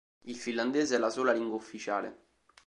Il finlandese è la sola lingua ufficiale.